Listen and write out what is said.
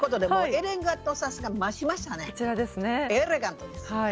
エレガントです。